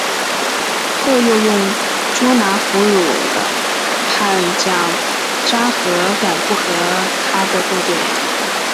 后又用计捉拿俘虏了叛将札合敢不和他的部众。